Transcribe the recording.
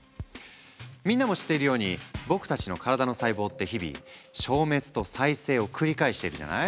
みんなも知っているように僕たちの体の細胞って日々消滅と再生を繰り返しているじゃない？